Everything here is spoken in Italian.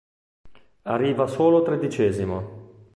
Arriva solo tredicesimo.